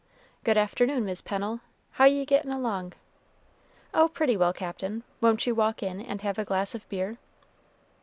"Good afternoon, Mis' Pennel; how ye gettin' along?" "Oh, pretty well, Captain; won't you walk in and have a glass of beer?"